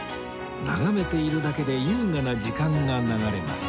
眺めているだけで優雅な時間が流れます